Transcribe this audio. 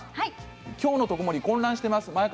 きょうの「とくもり」混乱しています。